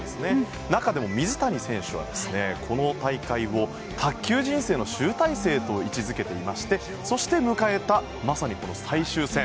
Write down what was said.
中でも水谷選手はこの大会を卓球人生の集大成と位置付けていましてそして迎えたまさに、この最終戦。